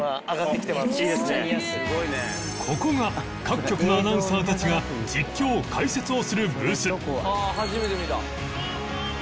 ここが各局のアナウンサーたちが実況解説をするブース